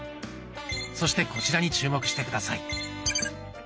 そしてこちらに注目して下さい。